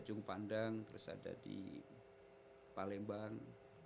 ujung pandang terus ada di palembang